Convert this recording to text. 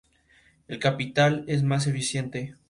El capital es más eficiente.